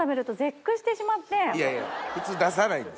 いやいや普通出さないんです。